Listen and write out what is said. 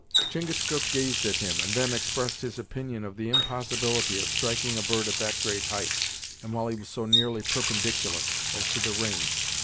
Chingachgook gazed at him, and then expressed his opinion of the impossibility of striking a bird at that great height, and while he was so nearly perpendicular, as to the range.